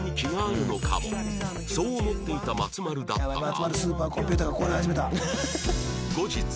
そう思っていた松丸だったが